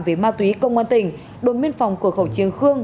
về ma túy công an tỉnh đồn biên phòng của khẩu triền khương